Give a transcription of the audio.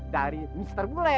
dari mister bule